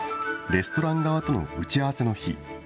レストラン側との打ち合わせの日。